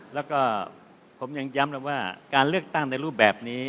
แล้วก็ผมยังย้ำแล้วว่าการเลือกตั้งในรูปแบบนี้